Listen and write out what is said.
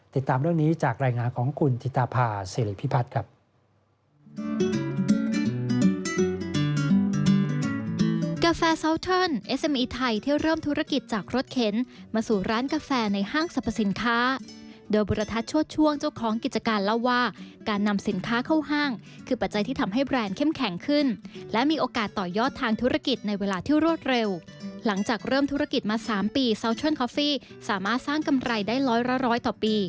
ติดตามเรื่องนี้จากรายงานของคุณธิตาภาษิริพิพัฒน์ครับ